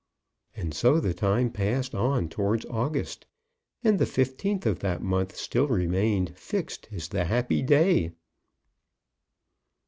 And so the time passed on towards August, and the fifteenth of that month still remained fixed as the happy day.